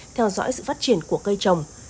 theo dõi sự phát triển của cây trồng